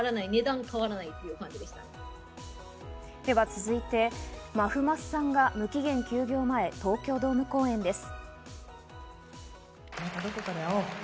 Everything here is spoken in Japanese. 続いて、まふまふさんが無期限休業前、東京ドーム公演です。